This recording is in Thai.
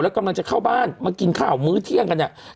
กำลังจะเข้าบ้านมากินข้าวมื้อเที่ยงกันเนี่ย